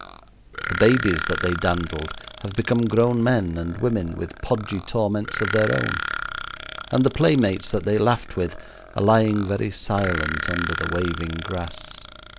The babies that they dandled have become grown men and women with podgy torments of their own, and the playmates that they laughed with are lying very silent under the waving grass.